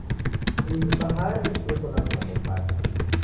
Ihi bahari yeko na vilambo pacha.